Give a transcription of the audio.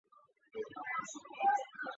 彼得利用消防队的高压水将其制伏。